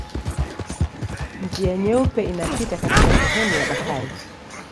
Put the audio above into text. Njia Nyeupe inapita katika sehemu ya Bakari.